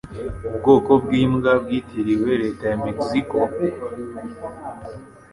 Ubwoko bw'imbwa bwitiriwe leta ya Mexico